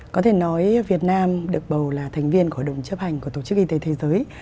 có thể nói việt nam được bầu là thành viên của đồng chấp hành của tổ chức y tế thế giới